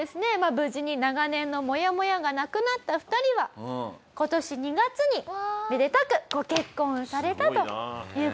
無事に長年のモヤモヤがなくなった２人は今年２月にめでたくご結婚されたという事なんですね。